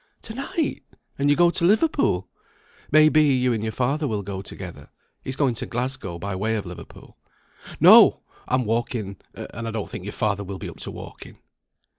"To night! and you go to Liverpool! May be you and father will go together. He's going to Glasgow, by way of Liverpool." "No! I'm walking; and I don't think your father will be up to walking."